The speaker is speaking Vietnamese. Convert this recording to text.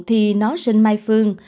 thì nó sinh mai phương